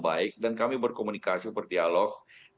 baik dan kami berkomunikasi berdialog